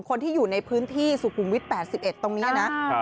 คนที่อยู่ในพื้นที่สุขุมวิท๘๑ตรงนี้นะ